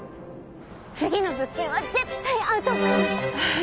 次の物件は絶対合うと思います。